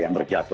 di bawah merpati